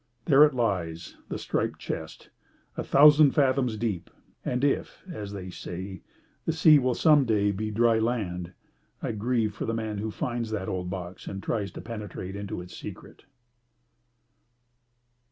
There it lies, the striped chest, a thousand fathoms deep, and if, as they say, the sea will some day be dry land, I grieve for the man who finds that old box and tries to penetrate into its secret.